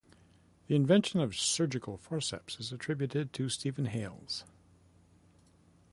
The invention of surgical forceps is attributed to Stephen Hales.